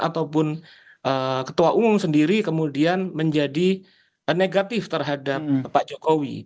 ataupun ketua umum sendiri kemudian menjadi negatif terhadap pak jokowi